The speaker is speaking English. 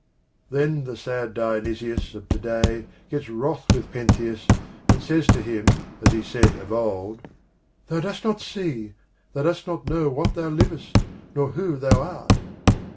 Then the sad Dionysus of to day gets wroth with Pentheus, and says to him as he said to him of old: Thou dost not see : thou dost not know What thou livest, nor who thou art.